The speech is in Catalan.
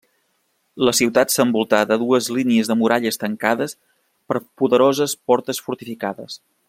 La ciutat s'envoltà de dues línies de muralles tancades per poderoses portes fortificades.